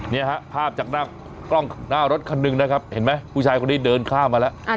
เนี่ยฮะภาพจากหน้ากล้องหน้ารถคันหนึ่งนะครับเห็นไหมผู้ชายคนนี้เดินข้ามมาแล้ว